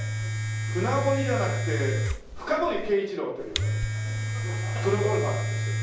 船堀じゃなくて深堀圭一郎というねプロゴルファーなんですけど。